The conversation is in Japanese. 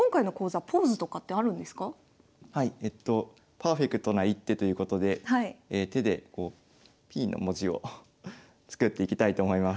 パーフェクトな一手ということで手でＰの文字を作っていきたいと思います。